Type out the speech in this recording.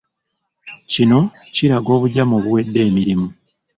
Kino kiraga obujama obuwedde emirimu.